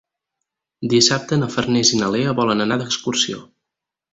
Dissabte na Farners i na Lea volen anar d'excursió.